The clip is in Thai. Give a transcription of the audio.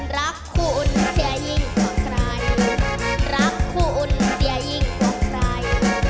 รักคุณจะยิ่งกว่าใครรักคุณจะยิ่งกว่าใคร